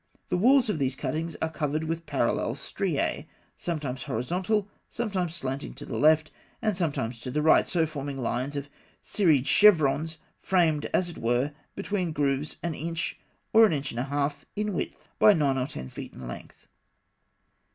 The walls of these cuttings are covered with parallel striae, sometimes horizontal, sometimes slanting to the left, and sometimes to the right, so forming lines of serried chevrons framed, as it were, between grooves an inch, or an inch and a half, in width, by nine or ten feet in length.